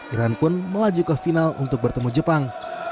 iran pun melaju ke final untuk bertemu jepang